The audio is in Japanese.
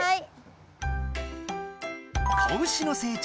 はい！